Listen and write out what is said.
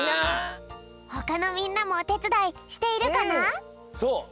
ほかのみんなもおてつだいしているかな？